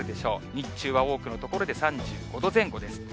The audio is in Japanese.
日中は多くの所で３５度前後です。